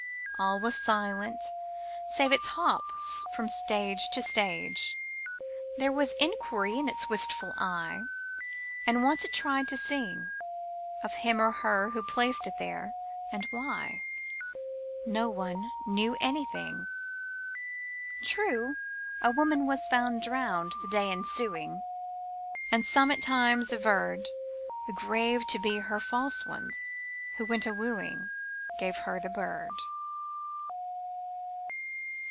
All was silence, save Its hops from stage to stage. There was inquiry in its wistful eye. And once it tried to sing; Of him or her who placed it there, and why, No one knew anything. True, a woman was found drowned the day ensuing, And some at times averred The grave to be her false one's, who when wooing Gave her the bird.